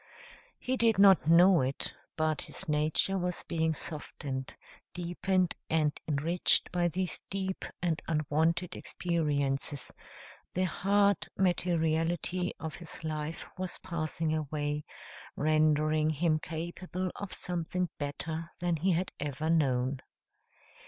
He did not know it, but his nature was being softened, deepened, and enriched by these deep and unwonted experiences; the hard materiality of his life was passing away, rendering him capable of something better than he had ever known.